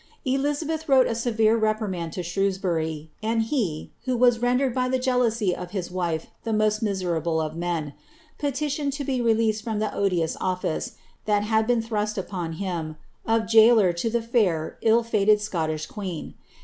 Elizabeth wrole a sev bury; and he, who was rendered by the jealousy of bis wife the mosl miserable of men, pciiiioned to be released from tbe odious oflice dial liad been thrust upon him, of jailer lo the Ikir, dl fated Scottish queen.